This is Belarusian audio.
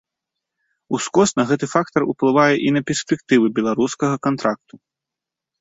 Ускосна гэты фактар уплывае і на перспектывы беларускага кантракту.